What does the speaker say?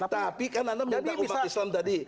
tapi kan anda menyandang umat islam tadi